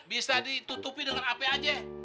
bisa ditutupi dengan ap aja